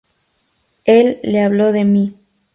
Él le habló de mí.